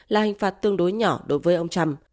là hình phạt tương đối nhỏ đối với ông trump